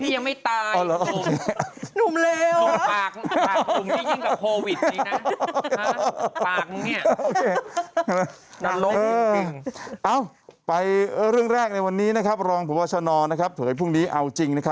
อย่างหนึ่งมันหายใจลำบากไหมล่ะ